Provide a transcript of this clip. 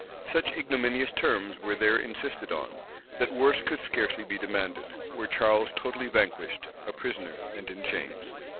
Such ignominious terms were there insisted on, that worse could scarcely be demanded, were Charles totally vanquished, a prisoner, and in chains.